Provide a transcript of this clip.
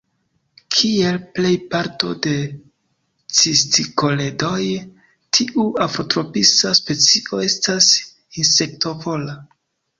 Kiel plej parto de cistikoledoj, tiu afrotropisa specio estas insektovora.